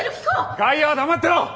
外野は黙ってろ！